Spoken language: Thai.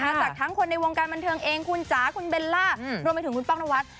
จากทั้งคนในวงการบันเทิงเองคุณจ๋าคุณเบลล่ารวมไปถึงคุณป้องนวัด